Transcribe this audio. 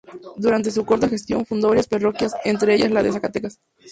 Durante su corta gestión fundó varias parroquias, entre ellas la de Zacatecas.